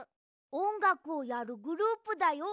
おんがくをやるグループだよ。